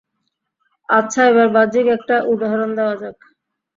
আচ্ছা, এবার বাহ্যিক একটা উদাহরণ দেওয়া যাক।